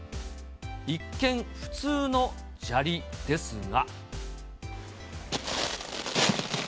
一見、普通の砂利ですが。